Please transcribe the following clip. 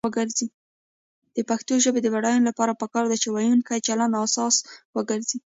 د پښتو ژبې د بډاینې لپاره پکار ده چې ویونکو چلند اساس وګرځي.